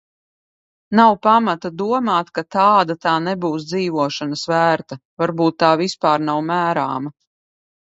Nav pamata domāt, ka tāda tā nebūs dzīvošanas vērta. Varbūt tā vispār nav mērāma.